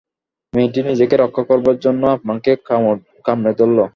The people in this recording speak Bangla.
মেয়েটি নিজেকে রক্ষা করবার জন্যে আপনাকে কামড়ে ধরল।